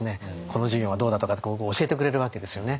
この授業はどうだとか教えてくれるわけですよね。